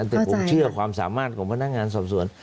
แต่ผมเชื่อความสามารถของพนักงานสอบสวน